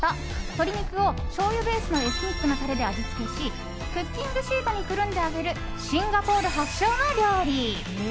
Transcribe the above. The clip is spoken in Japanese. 鶏肉をしょうゆベースのエスニックなタレで味付けしクッキングシートにくるんで揚げるシンガポール発祥の料理。